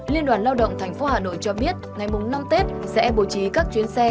liên đoàn lao động tp hà nội cho biết ngày năm tết sẽ bổ trí các chuyến xe